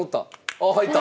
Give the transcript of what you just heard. あっ入った。